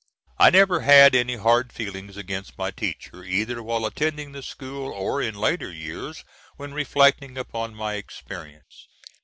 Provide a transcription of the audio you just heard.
I never had any hard feelings against my teacher, either while attending the school, or in later years when reflecting upon my experience.